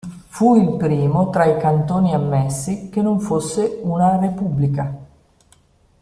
Fu il primo tra i cantoni ammessi che non fosse una repubblica.